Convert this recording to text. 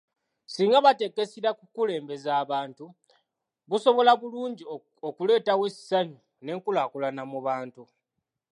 Singa bateeka essira ku kulembeza abantu busobola bulungi okuleetawo essanyu n’enkulaakulana mu bantu.